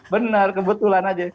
benar kebetulan aja